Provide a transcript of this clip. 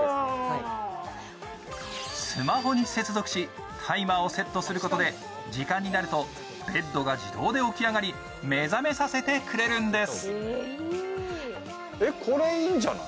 スマホに接続し、タイマーをセットすることで時間になるとベッドが自動で起き上がり目覚めさせてくれるんです。